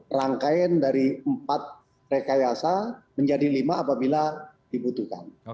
rangkaian dari empat rekayasa menjadi lima apabila dibutuhkan